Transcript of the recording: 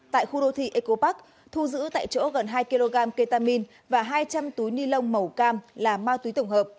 tại khu đô thị eco park thu giữ tại chỗ gần hai kg ketamine và hai trăm linh túi ni lông màu cam là ma túy tổng hợp